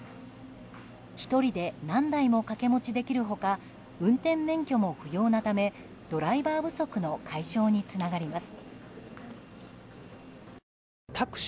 １人で何台も掛け持ちできる他運転免許も不要なためドライバー不足の解消につながります。